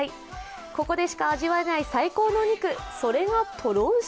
ここでしか味わえない最高のお肉、それがとろ牛。